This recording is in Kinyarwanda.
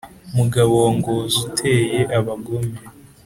mugabo wa ngozi uteye abagome